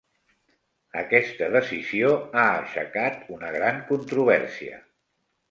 Aquesta decisió ha aixecat una gran controvèrsia.